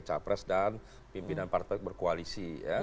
capres dan pimpinan partai berkoalisi